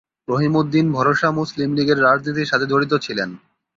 রহিম উদ্দিন ভরসা মুসলিম লীগের রাজনীতির সাথে জড়িত ছিলেন।